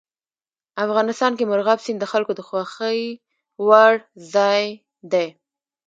افغانستان کې مورغاب سیند د خلکو د خوښې وړ ځای دی.